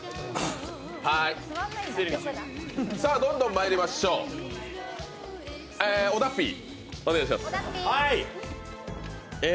どんどんまいりましょう、小田ッピー。